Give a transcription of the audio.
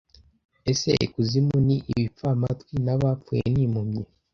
Ese ikuzimu ni ibipfamatwi n'abapfuye n'impumyi,